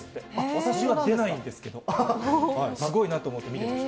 普通は出ないんですけど、すごいなと思って見てました。